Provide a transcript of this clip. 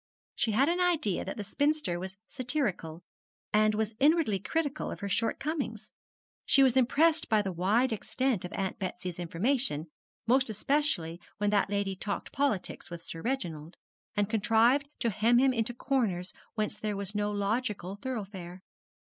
She had an idea that the spinster was satirical, and was inwardly critical of her shortcomings. She was impressed by the wide extent of Aunt Betsy's information, most especially when that lady talked politics with Sir Reginald, and contrived to hem him into corners whence there was no logical thoroughfare.